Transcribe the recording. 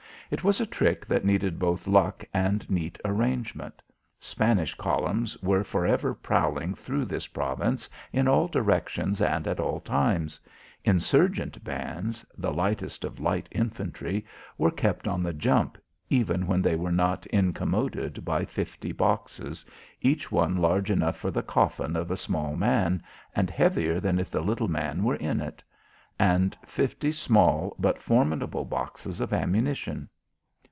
It was a trick that needed both luck and neat arrangement. Spanish columns were for ever prowling through this province in all directions and at all times. Insurgent bands the lightest of light infantry were kept on the jump, even when they were not incommoded by fifty boxes, each one large enough for the coffin of a little man, and heavier than if the little man were in it; and fifty small but formidable boxes of ammunition.